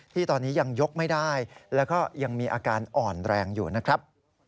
ที่ตอนนี้ยังยกไม่ได้แล้วก็ยังมีอาการอ่อนแรงอยู่นะครับ